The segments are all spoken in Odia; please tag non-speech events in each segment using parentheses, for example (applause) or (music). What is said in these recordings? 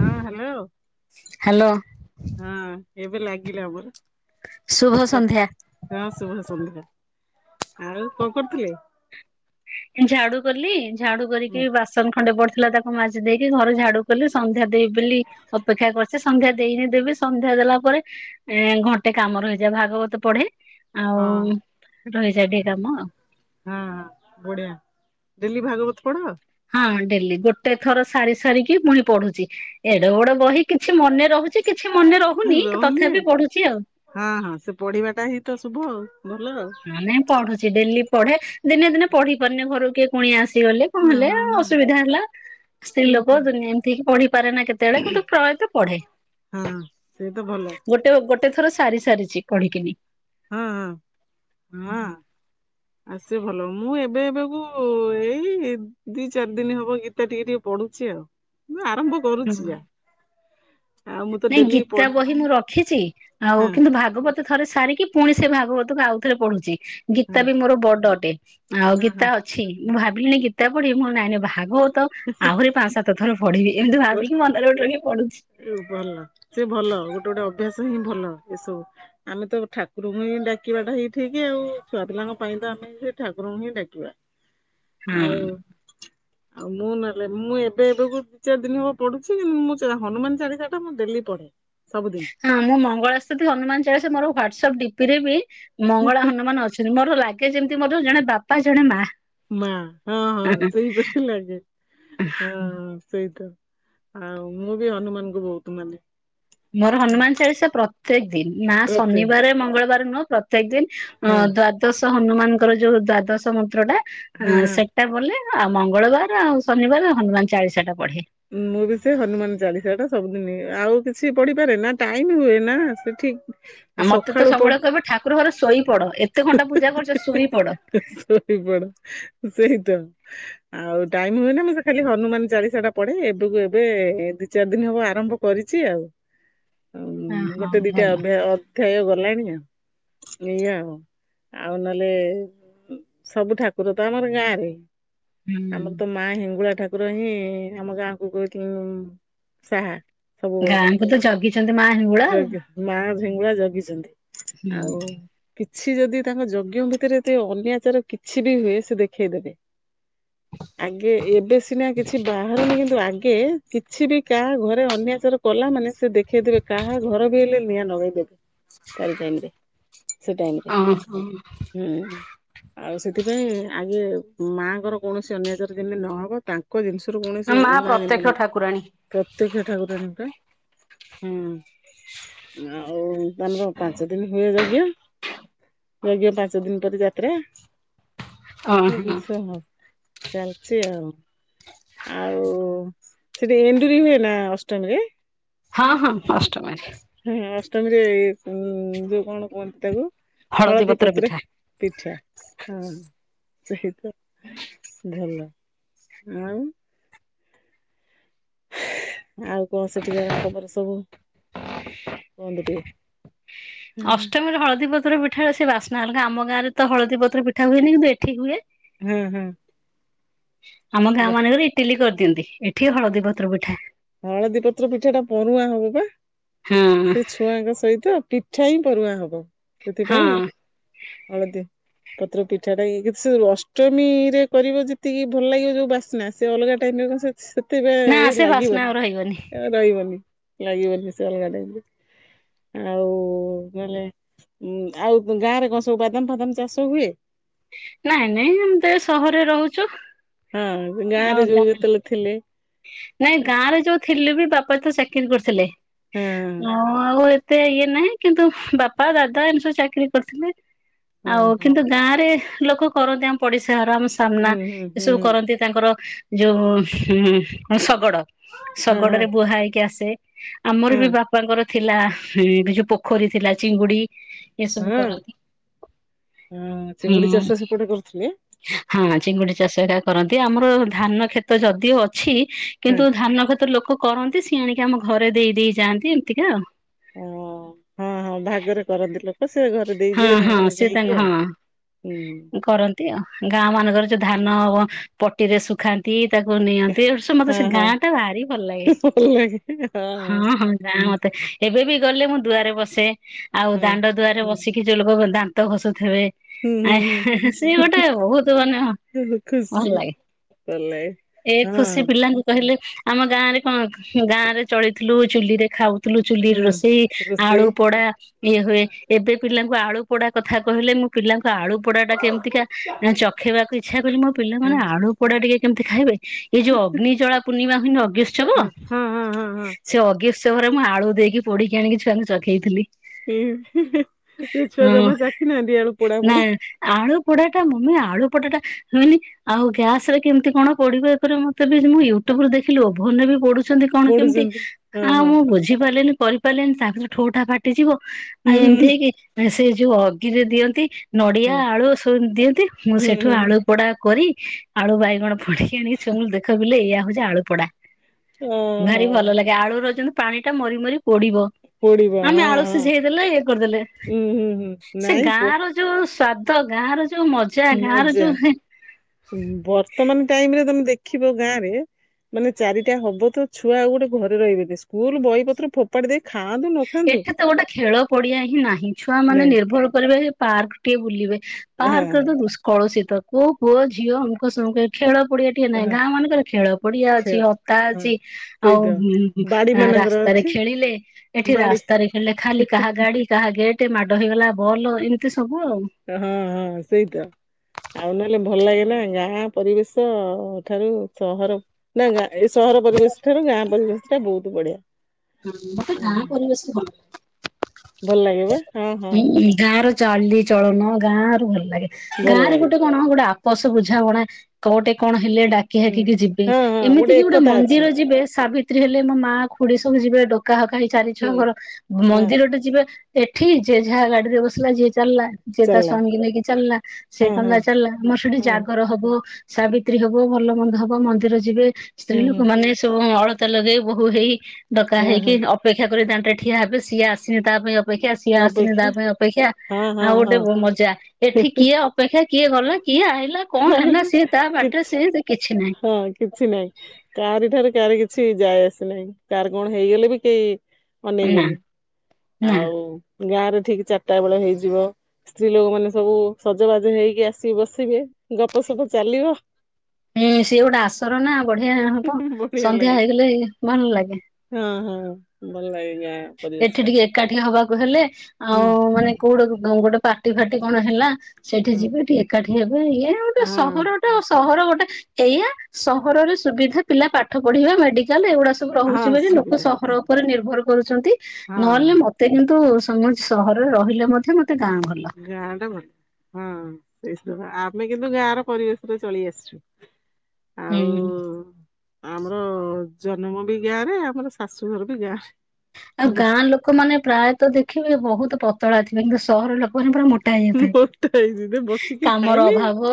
ହଁ ହାଲୋ ହ୍ୟାଲୋ ହଁ ଏବେ ଲାଗିଲା ଆମର। ଶୁଭ ସନ୍ଧ୍ୟା। ହଁ ଶୁଭ ସନ୍ଧ୍ୟା ଆଉ କଣ କରୁଥିଲେ? ଝାଡୁ କଲି ଝାଡୁ ହୁଁ, କରିକି ବାସ ସନ ଖଣ୍ଡେ ପଡ଼ିଥିଲା ତାକୁ ମାଜି ଦେଇକି ଘର ଝାଡୁ କାଲି ସନ୍ଧ୍ୟା ଦେବି ବୋଲି। ଅପେକ୍ଷା କରିଛି ସନ୍ଧ୍ୟା ଦେଇନି ଦେବି ସନ୍ଧ୍ୟା ଦେଲା ପରେ। ଏ ଘଣ୍ଟେ କାମ ରହିଯାଏ ଭାଗବତ ପଢେ ଆଉ ହଁ ରହିଯାଏ ଟିକେ କାମ। ହଁ ବଢିଆ ଡେଲି ଭାଗବତ ପଢ଼। ହଁ ଡେଲି ଗୋଟେ ଥର ସାରି ସାରିକି ପୁଣି ପଢୁଛି ଏଡ଼େ ବଡ ବହି କିଛି ମନେ। ରହୁଛି କିଛି ମନେ ରହୁନି କି ତଥାପି ପଢୁଛି ଆଉ। ହଁ ହଁ ସେ ପଢିବାଟାହିତ ଶୁଭ ଭଲ ଆଉ। ମାନେ ପଢୁଚି ଡେଲି ପଢେ ଦିନେ ଦିନେ ପଢି ପାରୁନି ଘରକୁ କିଏ କୁଣିଆ ଆସିଗଲେ କଁ ହଁ ହେଲେ ହଁ ହଁ ଅସୁବିଧା ହେଲା ସ୍ତ୍ରୀ ସେଇତ ଲୋକ ଦୁନିଆ ଏମିତିି ପଢିପାରେନା କେତେବେଳେ କିନ୍ତୁ ପ୍ରାୟତଃ ପଢେ। ସେଇତ ଭଲ। ଗୋଟେ ଗୋଟେ ଥର ସାରି ସାରିଚି କଢିକିନି। ହଁ ହଁ ହଁ ଆ ସେ ଭଲ ମୁଁ ଏବେ ଏବେକୁ ଏଇ ଦି ଚାରି ଦିନି ହବ ଗୀତା ଟିକେ ଟିକେ ପଢୁଚି ଆଉ। ମୁଁ ଆରମ୍ଭ ହଁ କରୁଚିବା। ନାଇଁ ଗୀତା ପଢେ ବହି ମୁଁ ରଖିଚି ଆଉ ହଁ କିନ୍ତୁ ଭାଗବତ ଥରେ ସାରିକି ପୁଣି ସେଭାଗବତକୁ ଆଉଥରେ ପଢୁଚି ହଁ ଗୀତାବି ମୋର ବଡ଼ଟେ। ଆଉ ହଁ ହଁ। ଗୀତା ଅଛି ମୁଁ ଭାବିଲିଣି ଗୀତା ପଢିବି ମୋ ନାଇଁ ନାଇଁ ଭାଗବତ ଆହୁରି ପା ସା ତଥର ପଢିବି ଏମିତି ଭାବିବି ମନରେ ଗୋଟେ ପଢୁଚି। ଏ ଭଲ ସେଭଲ ଗୋଟେ ଗୋଟେ ଅଭ୍ୟାସହିଁ ଭଲ ଏସବୁ। ଆମେତ ଠାକୁରଙ୍କୁହିଁ ଡାକିବାଟାହିଁ ଠିକି ଆଉ ଛୁଆ ପିଲାଙ୍କ ପାଇଁତ ଆମେ ସେଇ ଠାକୁରଙ୍କୁହିଁ ଡାକିବା। ଆଉ ହଁ। ଆଉ ମୁଁ ନହେଲେ ମୁଁ ଏବେ ଏବେକୁ ଦିଇ ଚାରି ଦିନି ହବ ପଡ଼ୁଚି ମୁଁ ହନୁମାନ ଚାଳିଶାଟା ମୁଁ ଡେଲି ପଢେ ସବୁଦିନ୍। ହଁ ମୁଁ ମଙ୍ଗଳାସ୍ତତି ହନୁମାନ ଚାଳିଶିଆ ମୋର ହ୍ୱାଟସଆପ୍ ଡିପିରେବି ମଙ୍ଗଳା ହନୁମାନ ଅଛନ୍ତି। ମୋର ଲାଗେ ଯେମିତି ମୋର ଜଣେ ବାପା ଜଣେ ମା। ମା ହଁ ହଁ ସେଇ ବେସି ଲାଗେ ହଁ ହଁ ସେଇତ ଆଉ ମୁଁବି ହନୁମାନଙ୍କୁୁ ବହୁତ୍ ମାନେ। ମୋର ହନୁମାନ ଚାଳିଶା ପ୍ରତ୍ୟେକ ଦିନ ମା ପ୍ରତ୍ୟେକ ଶନିବାର ମଙ୍ଗଳବାର ନୁହଁ ପ୍ରତ୍ୟେକ ଦିନ୍ ଅ ହଁ ଦ୍ଵାଦଶ ହନୁମାନଙ୍କର ଯୋଉ ଦ୍ଵାଦଶ ମନ୍ତ୍ରଟା ହଁ ଅଁ ହଁ। ସେ ଟା ବଲେ ଆଉ ମଙ୍ଗଳବାର ଆଉ ଶନିବାର ହନୁମାନ ଚାଳିଶାଟା ପଢେ। ମୁଁ ବି ସେହନୁମାନ ଚାଳିଶାଟା ସବୁଦିନ ଆଉ କିଛି ପଢିପାରେନା ଟାଇମ୍ ହୁଏନା ସେଠି ଆଉ ମତେତ ସବୁବେଳେ କହିବେ ଠାକୁର ଘରେ ଶୋଇପଡ଼ ଏତେ ଘଣ୍ଟା ପୂଜା କରୁଚ ଶୋଇପଡ଼। ଶୋଇପଡ଼ ସେଇତ ଆଉ ଟାଇମ୍ ହୁଏନା ମୁଁ ସେ ଖାଲି ହନୁମାନ ଚାଳିଶାଟା ପଡ଼େ ଏବେକୁ ଏବେ ଦି ଚାରି ଦିନ ହବ ଆରମ୍ଭ କରିଛି ଆଉ। ହଁ ହଁ ଗୋଟେ ଦିଟା ଭଲ ଅବା ଅଧ୍ୟାୟ ଗଲାଣି ଆଉ ଏଇୟା ଆଉ। ଆଉ ନହେଲେ ସବୁ ଠାକୁରତ ଆମର ଗାଁରେ ହୁଁ ଆମରତ ମା ହେଙ୍ଗୁଳା ଠାକୁରହିଁ ଆମ ଗାଁକୁ କୋହୁ ସାହା। ସବୁବେଳେ ଗାଁକୁ ତ ଜଗିଛନ୍ତି ମା ହିଙ୍ଗୁଳା ଆଉ। ଜ ମା ିଙ୍ଗୁଳା ଜଗିଚନ୍ତି। ହୁଁ। କିଛି ଯଦି ତାଙ୍କ ଯଜ୍ଞ ଭିତରେ ଏତେ ଅନ୍ୟାଚାର କିଛିବି ହୁଏ ସେଦେଖେଇଦେବେ। ଆଗେ ଏବେ ସିନା କିଛି କିନ୍ତୁ ଆଗ କିଛିବି କାହା ଘରେ ଅନ୍ୟାଚର କଲା ମାନେ ସେଦେଖେଇ ଦେବେ କାହା ଘରବି ହେଲେ ନିଆଁ ଲଗେଇଦେବେ। ତାର ଟାଇମରେ ସେ ଟାଇମରେ ଓହୋ ହୁଁ। ଆଉ ସେଥିପାଇଁ ଆଗେ ମାଙ୍କର କୌଣସି ଅନ୍ୟାଜର ଯେମିତି ନହବ ତାଙ୍କ ଜିନିଷ ସେତିରେ କୌଣସି ମା ଉଣା ଯେମିତି ପ୍ରତ୍ୟକ୍ଷ ନ ଠାକୁରାଣୀ ପ୍ରତ୍ୟକ୍ଷ ଠାକୁରାଣୀ ପରା ହୁଁ ଆଉ ଆମର ପାଞ୍ଚ ଦିନ ହୁଏ ଯଜ୍ଞ ଯଜ୍ଞ ପାଞ୍ଚ ଦିନି ପରେ ଯାତ୍ରା। ଓହୋ (unintelligible) ଚାଲିଚି ଆଉ। ଆଉ ସେଠି ଏଣ୍ଡୁରି ହୁଏନା ଅଷ୍ଟମୀରେ? ହଁ ହଁ ଅଷ୍ଟମାରୀ। ହୁଁ ଅଷ୍ଟମୀରେ ଯୋଉ ହୁଁ କଣ କୁହନ୍ତି ତାକୁ ହଳଦୀ ପତ୍ର। ପିଠା ହଁ ସେଇ ତ ଭଲ। ଉଁ। ଆଉ କଣ ସେଠିକାର ଖବର ସବୁ କୁହନ୍ତୁ ଟିକେ? ଅଷ୍ଟମୀରେ ହଳଦୀ ପତ୍ର ପିଠା ସେ ବାସ୍ନା ଅଲଗା ଆମ ଗାଁରେ ତ ହଳଦୀ ପତ୍ର ପିଠା ହୁଏନି କିନ୍ତୁ ଏଠି ହୁଏ। ହୁଁ ହୁଁ। ଆମ ଗାଁ ମାନଙ୍କରେ ଇଟିଲି କରିଦିଅନ୍ତି। ଏଠି ହଳଦୀ ପତ୍ର ପିଠା ହଳଦୀ ପତ୍ର ପିଠା ଟା ପୋରୂହାଁ ହବ ପା? ହଁ ସେ ଛୁଆଙ୍କ ସହିତ ପିଠା ହିଁ ପୋରୂହାଁ ହବ ହଁ। ସେଥିପାଇଁ ଆଳତି ପତ୍ର ପିଠାଟା ଅଷ୍ଟମୀ ରେ କରିବ ଯେତିକି ଭଲ ଲାଗିବ ଯୋଉ ବାସ୍ନା ସେ ଅଲଗା ଟାଇମି ରେ କ ନା ସେଥିପାଇଁ ସେ ବାସ୍ନା ଆଉ ରହିବନି ଲାଗିବନି ରହିବନି ଲାଗିବନି ସେ ଅଲଗା ଟାଇପିର। ଆଉ କହିଲେ ଉ ଆଉ ଗାଁ ରେ କଣ ସବୁ ବାଦାମ ଫାଦାମ ଚାଷ ହୁଏ? ନାଇଁ ନାଇଁ ଆମେ ତ ଏ ସହରରେ ରହୁଚୁ। ହଁ ଗାଁ ରେ ଯୋଉ ଯେତେବେଳେ ଥିଲେ ନାଇଁ ଗାଁରେ ଯୋଉ ଥିଲୁ ବି ବାପା ତ ଚାକିରି କରିଥିଲେ ହଁ ଆ ଆଉ ଏତେ ଇଏ ନାହିଁ କିନ୍ତୁ ବାପା ଦାଦା ଏମି ସବୁ ଚାକିରି କରିଥିଲେ ହଁ ଆଉ ହଁ। କିନ୍ତୁ ଗାଁରେ ଲୋକ କରନ୍ତି ଆମ ପଡିଶା ଘର ଆମ ସାମ୍ନା ହୁଁ ହୁଁ ହୁଁ ଏସବୁ ହୁଁ କରନ୍ତି ତାଙ୍କର ଯୋଉ ଉ ଶଗଡ। ହଁ ହଁ ଶଗଡରେ ବୁହା ହେଇକି ଆସେ ଆମର ହଁ ବି ବା ବାପାଙ୍କର ଥିଲା ବିଜୁ ପୋଖରୀ ଥିଲା ଚିଙ୍ଗୁଡି ଏସବୁ ହଁ କରନ୍ତି ହଁ ଚିଙ୍ଗୁଡି ହୁଁ। ଚାଷ ସେପଟେ କରୁଥିଲେ? ହଁ ଚିଙ୍ଗୁଡି ଚାଷ ଏଟା କରନ୍ତି ଆମର ଧାନ କ୍ଷେତ ଯଦିଓ ଅଛି ହଁ କିନ୍ତୁ ଧାନ ଖେତ ଲୋକ କରନ୍ତି ସିଏ ଆଣିକି ଆମ ଘରେ ଦେଇ ଦେଇ ଯାଆନ୍ତି ଏତିକି ଆଉ। ଓ ହଁ ହଁ ଭାଗରେ କରନ୍ତି ଲୋକ। ହଉ ସେ ଘରେ ହଁ ଦେଇଯିବେ ହଁ ତାଙ୍କର ସେ ନେଇକି ଆଉ। ନ୍ତି ଗାଁ ମାନଙ୍କର ଯୋଉ ଧାନ ହବ ପଟିରେ ଶୁଖା ଦି ତାକୁ ନିଅନ୍ତି ମତେ ହଁ ସେ ହଁ ଗାଁ ଟା ବାହାରି ଭଲ ଲାଗେ। (inaudible) ହଁ ହଁ (unintelligible) ଏବେ ବି ଗଲେ ମୁଁ ଦୁଆରେ ବସେ ଆଉ ହଁ ଦାଣ୍ଡ ଦୁଆରେ ବସିକି ଯୋଉ ଲୋକ ଦାନ୍ତ ଘଷୁଥିବେ ହୁଁ ହୁଁ ଆ ସେ ଗୋଟେ ବହୁତୁ ମାନେ ଭଲ ଲାଗେ। ନାଇ ଏ ଖୁସି ପିଲାଙ୍କୁ କହିଲେ ଆମ ଗାଁ ରେ କଣ ଗାଁ ରେ ଚଳିଥିଲୁ ଚୁଲିରେ ଖାଉ ଲୁ ଚୁଲି ହୁଁ ରୋଷେଇ ଆଳୁ ରୋଷେଇ ପୋଡା ଇଏ ହୁଏ ଏବେ ପିଲାଙ୍କୁ ଆଳୁ ପୋଡା କଥା କହିଲେ ମୁଁ ପିଲାଙ୍କୁ ଆଳୁ ପୋଡା ଟା କେମିତିକା ଚଖେଇବାକୁ ଇଚ୍ଛା କଲି ମୋ ହୁଁ ପିଲାମାନେ ଆଳୁ ପୋଡା ଟିକେ କେମିତି ଖାଇବେ ଏ ଯୋଉ ଅଗ୍ନିଜଳା ପୂର୍ଣ୍ଣିମା ହୁଏନି ଅଗଷ୍ଟି ଛବ ହଁ ହଁ ହଁ ହଁ ହଁ। ସେ ଅଗି ଉତ୍ସବରେ ମୁଁ ଆଳୁ ଦେଇକି ପୋଡିକି ଆଣିକି ଛୁଆଙ୍କୁ ଚଖେଇଥିଲି। ତୋ ଛୁଆ ହଁ ଜମା ଚାଖି ନାହାନ୍ତି ଆଳୁ ପୋଡା ନା ପୋଡି? ଆଳୁ ପୋଡାଟା ମମି ଆଳୁ ପୋଡାଟା ହୁନି ଆଉ ଗ୍ୟାସ ରେ କେମିତି କଣ ପୋଡିବେ ଇଏ କରିବେ ମୁଁ ତ ବି ମୁଁ ୟୁଟ୍ୟୁବୁ ଦେଖିଲି ଓଭନ ରେ ବି ପୋଡୁ ଛନ୍ତି କଣ କେମିତି ପୋଡୁଛନ୍ତି। ହଁ ଆଉ ହଁ ମୁଁ ବୁଝି ପାରିଲିନି କରିପାରିଲେନି ତାପରେ ଠୋଠା ଫାଟିଯିବ ଆଉ ହୁଁ ଏମିତି ହୁଁ ହେଇକି ଏଁ, ସେ ଯୋଉ ଅଗିରେ ଦିଅନ୍ତି ନଡିଆ ଆଳୁ ସବୁ ଦିଅନ୍ତି, ମୁଁ ହୁଁ ସେଠୁ ହୁଁ ହୁଁ ଆଳୁ ପୋଡା କରି ଆଳୁ ବାଇଗଣ ପୋଡିକି ଆଣିକି ଛୁଆଙ୍କୁ ଦେଖଉଥିଲି ଏଇଆ ହଉଛି ଆଳୁ ପୋଡା। ଓହୋ। ଭାରି ଭଲ ଲାଗେ ଆଳୁ ର ଯେମତି ପାଣି ଟା ମରି ମରି ପୋଡିବ। ପୋଡିବ ଆମେ ହଁ ଆଳୁ ହଁ ସିଝେଇଦେଲେ ଇଏ କରିଦେଲେ। ଉୁଁ ହୁଁ ହୁଁ ସେ ନାଇଁ ପୋ ଗାଁର ଯୋଉ ସ୍ଵାଦ ଗାଁ ର ଯୋଉ ମଜ ମଜା ବର୍ତ୍ତମାନ ଟାଇମ୍ ରେ ତୋମେ ଦେଖିବ ଗାଁରେ ମାନେ ଚାରିଟା ହବ ତ ଛୁଆ ଆଉ ଗୋଟେ ଘରେ ରହିବେନି। ସ୍କୁଲ୍ ବହିପତ୍ର ଫୋପ ପାଡିଦେଇ ଖାଆନ୍ତୁ ନ ଖାଆନ୍ତୁ ଏଠି ତ ଗୋଟେ ଖେଳ ପଡିଆ ହିଁ ନାହିଁ ଛୁଆ ମାନେ ନାଇଁ ନିର୍ଭର କରିବେ ଯେ ପାର୍କ ଟିକେ ବୁଲିବେ। ପାର୍କ ତ ହଁ ଦୁଷ୍ କଳସୀତ କୋଉ ପୁଅ ଝିଅ ଅମୁକ ସମୁକ ଏ ଖେଳ ପଡିଆ ଟିଏ ନାହିଁ, ଗାଁ ମାନଙ୍କର ଖେଳ ପଡିଆ ଖେଳ ଅଛି ହତା ହଁ। ଅଛି। ସେଇ ଆଉ ତ ହୁଁ, ବାଡି ମାନଙ୍କର ରାସ୍ତାରେ ଅଛି ଖେଳିଲେ। ଏଠି ବାଡି ରାସ୍ତାରେ ଖେଳିଲେ ଖାଲି କାହା ଗାଡି, କାହା ଗେଟ୍ ମାଡ ହେଇଗଲା ବଲ ଏମିତି ସବୁ ଆଉ। ଏ ହଁ ହଁ ସେଇ ତ। ଆଉ ନହେଲେ ଭଲ ଲାଗେ ନା ଗାଁହା ପରିବେଶ ଠାରୁ ସହର ନା ଗାଁ ଏ ସହର ପରିବେଶ ଠାରୁ ଗାଁ ପରିବେଶ ଟା ବହୁତ ବଢିଆ। ହଁ ମୋତେ ହଁ ଗାଁ ପରିବେଶ ଭଲ। ଭଲ ଲାଗେ ଯେ ହଁ, ହଁ। ହୁଁ ଗାଁ ର ଚାଲିଚଳନ ଗାଁ ର ଭଲ ଲାଗେ, ଭଲ ଗାଁ ରେ ଲାଗେ ଗୋଟେ କଣ ଗୋଟେ ଆପୋସ ବୁଝାବଣା କୋଟେ କଣ ହେଲେ ଡା କି ହୁଁ। ହାକିକି ଯିବେ, ହଁ ହଁ ଏମିତି କିି ଗୋଟେ ଏକତା ଅଛି ମନ୍ଦିର ଯିବେ ସାବିତ୍ରୀ ହେଲେ ମୋ ମା ଖୁଡି ସବୁ ଯିବେ ଡ କାହାକା ହେଇ ଚାରି ଛଅ ହୁଁ ଘର ହଁ ମନ୍ଦିର ଟେ ଯିବେ ଏଠି ଯିଏ ଯାହା ଗାଡିରେ ବସିଲା ଯିଏ ଚାଲିଲା। ଯିଏ ତା ଚାଲିଲା ସ୍ଵାମୀକୁ ନେଇକି ଚାଲଲା। ସିଏ ହଁ ହଁ। ତାଙ୍କର ଚାଲଲା। ଆମର ସେଠି ହଁ ଜାଗର ହବ ସାବିତ୍ରୀ ହବ ଭଲ ମନ୍ଦ ହବ ମନ୍ଦିର ଯିବେ ସ୍ତ୍ରୀ ହୁଁ ଲୋକ ହୁଁ ମାନେ ସବୁ ଅଳ ତା ଲଗେଇ ବୋହୁ ହେଇ ଡକା ହଁ ହେଇକି ହଁ ଅପେକ୍ଷା କରି ଦାଣ୍ଡରେ ଠିଆ ହେବେ, ସିଏ ଆସିନି ତା ପାଇଁ ଅପେକ୍ଷା ସଏ ଆସିନି ତା ଅପେକ୍ଷା ପାଇଁ ଅପେକ୍ଷା, ହଁ ହଁ ଆଉ ଗୋଟେ ହଁ। ବ- ମଜା ଏଠି କିଏ ଅ ଅପେକ୍ଷା କିଏ ଗଲା, କିଏ ଆଇଲା କଣ ହେଲା ସିଏ ତା ବାଟରେ କିଛି ସିଏ ସେ କିଛି ନାହିଁ। ହଁ କିଛି ନାହିଁ। କାହାରି ଠାରୁ କାହାର କିଛି ଯାଏ ଆସିନାହିଁ କାହାର କଣ ହେଇଗଲେ ବି କେଇ ନା ଅନେଇବେନି ନା ଆଉ ଗାଁରେ ଠିକ ଚାଟା ବେଳେ ହେଇଯିବ। ସ୍ତ୍ରୀ ଲୋକ ମାନେ ସବୁ ସଜବାଜ ହେଇକି ଆସିବେ ବସିବେ ଗପ ସପ ଚାଲିବ। ଏଁ, ସିଏ ଗୋଟେ ଆସର ନା ବଢିଆ ହବ ବଢିଆ ସନ୍ଧ୍ୟା ଲାଗେ। ହେଇଗଲେ ଭଲ ଲାଗେ। ହଁ, ହଁ ଭଲ ଲାଗେ ଗାଁ। ପରିବେଶ ଏଠି ଟା ଟିକେ ଏକାଠି ହବାକୁ ହେଲେ ଆଉ ହୁଁ ମାନେ କୋଉଟାକୁ ଧର ଗୋଟେ ପାର୍ଟି ଫାର୍ଟି କଣ ହେଲା ସେଇଠି ହୁଁ। ଯିବେ ଟିକେ ଏକାଠି ହେବେ ଇଏ ଆଉ ଗୋଟେ ହଁ ସହର ଗୋଟେ ଆ, ସହର ଗୋଟେ ଏଇଆ ସହରରେ ସୁବିଧା ପିଲା ପାଠ ପଢିବା, ମେଡିକାଲ୍ ଏଉଡା ସବୁ ହଁ ରହୁଛି ବୋଲି ଲୋକ ସୁବିଧା ସହର ଉପରେ ନିର୍ଭର କରୁଛନ୍ତି। ହଁ ହଁ ନହେଲେ ମୋ ତେ କିନ୍ତୁ ସମସ୍ ସହରରେ ରହିଲେ ମଧ୍ୟ ମୋତେ ଗାଁ ଭଲ। ଗାଁ ଟା ଭଲ। ହଁ ସେଇ ସବା ଆମେ କିନ୍ତୁ ଗାଁ ର ପରିବେଶରେ ଚଳି ଆସିଛୁ। ହଁ। ହୁଁ। ହଁ ଆମର ଜନମ ବି ଗାଁ ରେ, ଆମର ଶାଶୁଘର ବି ଗାଁ ରେ। ଆଉ ଗାଁ ଲୋକମାନେ ପ୍ରାୟତଃ ଦେଖିବେ ବହୁତ ପତଳା ଥିବେ କିନ୍ତୁ ସହର ଲୋକମାନେ ପୁରା ମୋ ଟା ଅନ୍ତେ ମୋଟା ହେଇଛି ଯେ ବସିକି କାମର ଖାଇଲେ ଅଭାବ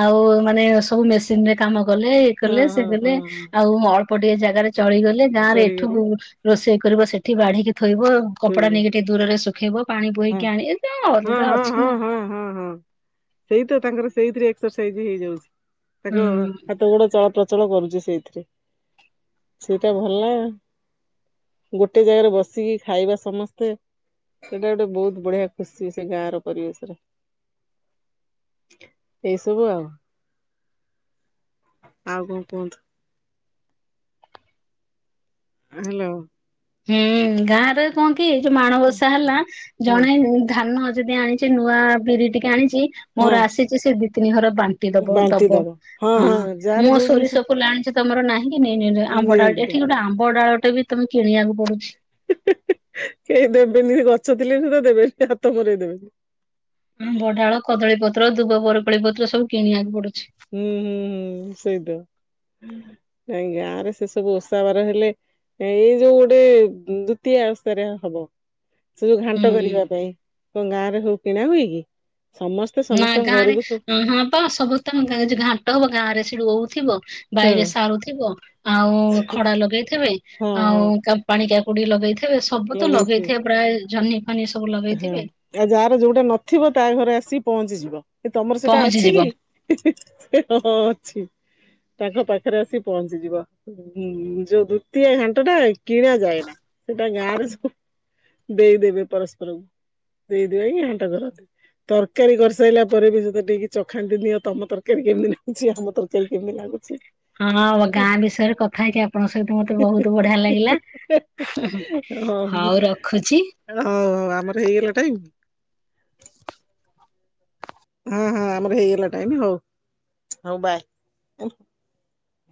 ଆଉ ମାନେ ସବୁ ମେସିନ୍ ରେ କାମ କଲେ ଇଏ ହଁ କଲେ ସେ ହଁ ହଁ କଲେ ହଁ ଆଉ ଗପ ଟେ ଜାଗାରେ ଚଳିଗଲେ ଗାଁରେ ଏଠୁ ଚଳିଗଲେ ରୋଷେଇ କରିବ ସେଠି ବାଢିକି ଥୋଇବ କପଡା ଥୋଇବ। ନେଇକି ଟେ ଦୂରରେ ଶୁଖେଇବ ପାଣି ହଁ ବୋହିକି ଆଣି ହଁ ଅଲଗା ହଁ ଅଛି ହଁ ନା। ହଁ ହଁ ହଁ ସେଇ ତ ତାଙ୍କର ସେଇଥିରେ ଏକ୍ସରସାଇଜ୍ ହେଇଯାଉଛି ହୁଁ ତାଙ୍କ ତ ଗୋଡ ଚଳପ୍ରଚଳ କରୁଛି ସେଇଥିରେ। ସେଇଟା ଭଲ ଗୋଟେ ଜାଗାରେ ବସିକି ଖାଇବା ସମସ୍ତେ। ସେଟା ଗୋଟେ ବହୁତ ବଢିଆ ଖୁସି ସେ ଗାଁର ପରିବେଶରେ। ଏଇ ସବୁ ଆଉ। ଆଉ କଣ କୁହନ୍ତୁ? ହ୍ୟାଲୋ। ହୁଁ ଗାଁରେ କଣ କି ଏଇ ଯୋଉ ମାଣବସା ହେଲା ହଁ ଜଣେ ଧାନ ଯଦି ଆଣି ଛି ସେ ନୂଆ ବିରି ଟିକେ ଆଣିଛି ହଁ ମୋର ଆସିଛି ସେ ଦି ତିନି ଘର ବା ଟି ଦବ ବାଣ୍ଟି ଦବ ହଁ ଯାହାର ମୁଁ ଯୋଉ ଜିନିଷ ସୋରିଷ କୁଲେ ଆଣିଛି ତମର ନାହିଁ କି ନେ ନେ ଆମ୍ବ ଡାଳଟେ ନିଅନ୍ତିଟା ଏଠି ଗୋଟେ ଆମ୍ବ ଡାଳଟେ ବି ତମେ କିଣିବାକୁ ପଡୁଛି। ହେଁ ହେଁ କେହି ଦେବେନି ସେ ଗଛ ଥିଲେ ବି ସୁଦ୍ଧା ଦେବେନି ହାତ ମରେଇ ଦେବେନି। ଆମ୍ୱ ଡାଳ, କଦଳୀ ପତ୍ର, ଦୁବ ବରକଳି ପତ୍ର ସବୁ କିଣିବାକୁ ପଡୁଛି। ହୁଁ ହୁଁ ହୁଁ ସେଇତ ନାଇହିଁ ଗାଁ ରେ ସେ ସବୁ ଓଷା ବାର ହେଲେ ଏଇ ଯୋଉ ଗୋଟେ ଜୁତିଆ ଓଷାରେ ହବ। ସେ ଯୋଉ ଘାଣ୍ଟ ହୁଁ କରିବା ପାଇଁ କଣ ଗାଁ ରେ ହଉ କିଣା ହୁଏ କି ସମ ନା ଗାଁରେ ହଁ ପା ସମସ୍ତେଙ୍କ ଘାଣ୍ଟ ହବ ଗାଁ ରେ ସେଠୁ ରହୁଥିବ ହଁ ବାଇରେ ସାରୁଥିବ ଆଉ ଖଡା ଲଗେଇଥିବେ ହଁ ହଁ ଆଉ ତାକୁ ପାଣି କା ପୋଡି ଲଗେଇଥିବେ ସବୁ ତ ଲଗେଇଥିବେ ପ୍ରାୟ ଜହ୍ନି ଫନି ସବୁ ହଁ। ଲଗେଇଥିବେ ଆଉ ଯାହାର ଯୋଉଟା ନଥିବ ତା ଘରେ ଆସିକି ପହଞ୍ଚିଯିବ ତମର ସେଇଟା ଅଛି ପହଞ୍ଚିଯିବ କି? ସେ ହଁ ଅଛି ତାଙ୍କ ପାଖରେ ଆସି ପହଞ୍ଚିଯିବ। ହୁଁ ଯୋଉ ଦ୍ଵିତୀୟା ଘାଣ୍ଟ ଟା କିଣା ଯାଏନା ସେଟା ଗାଁ ରେ ସବୁ ଦେଇଦେବେ ପରସ୍ପରକୁ ଦେଇଦୁଆ କି ଘାଣ୍ଟ କରନ୍ତି। ତରକାରୀ କରିସାରିଲା ପରେ ବି ସେତ ଟିକେ ଚଖାନ୍ତି ନିଅ ତମ ତରକାରୀ କେମିତି ହେଇଛି ଆମ ତରକାର କେ କେମିତି ଲାଗୁଛି, ହଁ ଆମ ଗାଁ ବିଷୟରେ କଥା ହେଇକି ଆପଣଙ୍କ ସହିତ ମତେ ବହୁତ ବଢିଆ ଲାଗିଲା। ହଉ ରଖୁଛି। ହଉ ହଉ ଆମର ହେଇଗଲା ଟାଇମ୍? ହଁ ହଁ ଆମର ହେଇଗଲା ଟାଇମ୍ ହଉ ହଉ ବାଏ।